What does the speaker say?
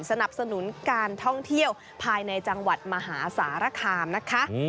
สนับสนุนการท่องเที่ยวภายในจังหวัดมหาสารคามนะคะ